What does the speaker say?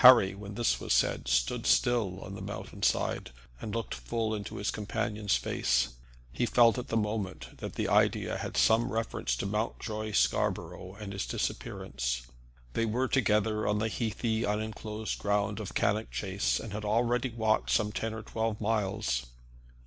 Harry, when this was said, stood still on the mountain side, and looked full into his companion's face. He felt at the moment that the idea had some reference to Mountjoy Scarborough and his disappearance. They were together on the heathy, unenclosed ground of Cannock Chase, and had already walked some ten or twelve miles.